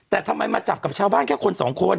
แต่ทำไมมาจับกับชาวบ้านแค่คนสองคน